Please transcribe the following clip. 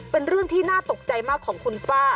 เป็นเรื่องที่น่าตกใจมากของคุณป้า